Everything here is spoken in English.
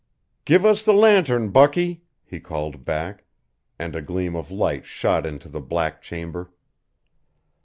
"Give us the lantern, Bucky," he called back, and a gleam of light shot into the black chamber.